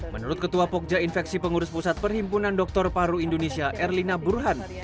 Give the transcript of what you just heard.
menurut ketua pogja infeksi pengurus pusat perhimpunan doktor paru indonesia erlina burhan